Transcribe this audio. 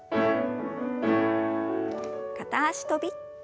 片脚跳び。